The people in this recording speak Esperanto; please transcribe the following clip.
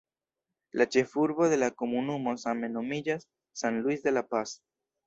La ĉefurbo de la komunumo same nomiĝas "San Luis de la Paz".